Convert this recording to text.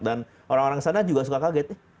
dan orang orang sana juga suka kaget